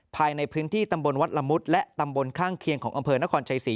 ภายในพื้นที่ตำบลวัดละมุดและตำบลข้างเคียงของอำเภอนครชัยศรี